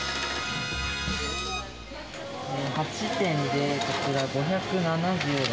８点でこちら、５７６円。